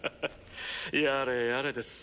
やれやれです。